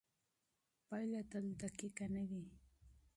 پایله تل دقیقه نه وي.